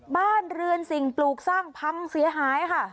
บ้านเรือนสิ่งปลูกสร้างพังเสียหายค่ะ